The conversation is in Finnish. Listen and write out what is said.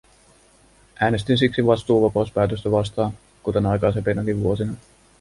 Äänestin siksi vastuuvapauspäätöstä vastaan, kuten aikaisempinakin vuosina.